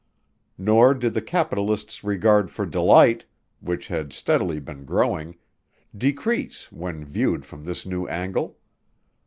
Nor did the capitalist's regard for Delight, which had steadily been growing, decrease when viewed from this new angle.